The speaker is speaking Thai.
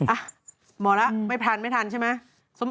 อ่ะหมอละไม่พลันไม่ทันใช่ไหม